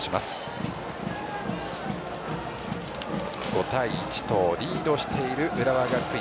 ５対１とリードしている浦和学院。